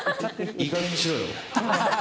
いいかげんにしろよ！